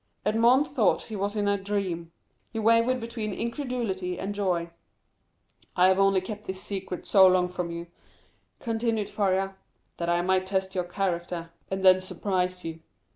Edmond thought he was in a dream—he wavered between incredulity and joy. "I have only kept this secret so long from you," continued Faria, "that I might test your character, and then surprise you.